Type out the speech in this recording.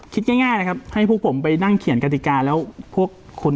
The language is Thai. คิดง่ายนะครับให้พวกผมไปนั่งเขียนกฎิกาแล้วพวกคุณ